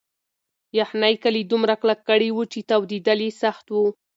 یخنۍ کالي دومره کلک کړي وو چې تاوېدل یې سخت وو.